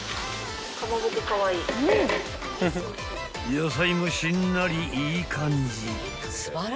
［野菜もしんなりいい感じ］